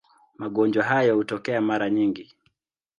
Magonjwa hayo hutokea mara nyingi.